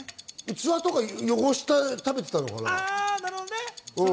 器とかを汚して食べていたのかな？